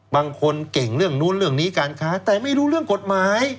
บางคนเก่งเรื่องนู้นเรื่องนี้การค้าแต่ไม่รู้เรื่องกฎหมาย